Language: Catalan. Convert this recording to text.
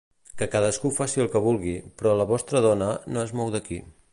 Que cadascú faci el que vulgui, però la vostra dona no es mou d'aquí.